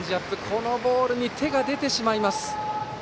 このボールに手が出てしまいます。